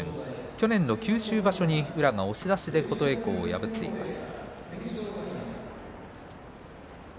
去年の九州場所に宇良が押し出しで琴恵光を破っています。